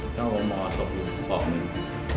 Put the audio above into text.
เขาขอรับศรพที่บนศพนึง